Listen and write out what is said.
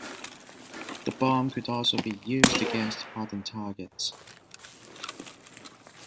The bomb could also be used against hardened targets.